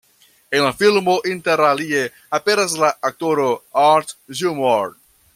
En la filmo interalie aperas la aktoro Art Gilmore.